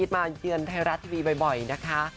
มาเยือนไทยรัฐทีวีบ่อยนะคะ